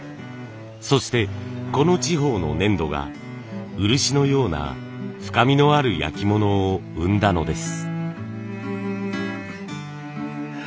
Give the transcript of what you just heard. そしてこの地方の粘土が漆のような深みのある焼き物を生んだのです。